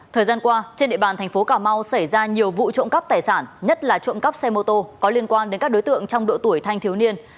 thời gian qua trên địa bàn thành phố cà mau xảy ra nhiều vụ trộm cắp tài sản nhất là trộm cắp xe mô tô có liên quan đến các đối tượng trong độ tuổi thanh thiếu niên